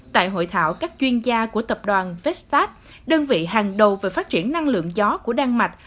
tại hội thảo các chuyên gia của tập đoàn vstat đơn vị hàng đầu về phát triển năng lượng gió của đan mạch